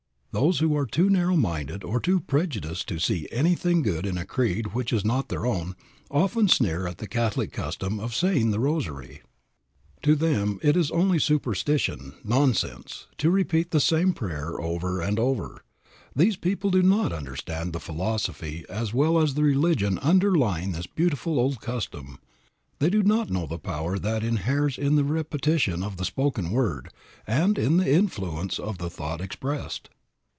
Those who are too narrow minded or too prejudiced to see anything good in a creed which is not their own, often sneer at the Catholic custom of "saying the rosary." To them it is only "superstition," "nonsense," to repeat the same prayer over and over. These people do not understand the philosophy as well as the religion underlying this beautiful old custom. They do not know the power that inheres in the repetition of the spoken word, and in the influence of the thought expressed.